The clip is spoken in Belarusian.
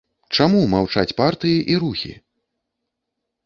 Чаму маўчаць партыі і рухі?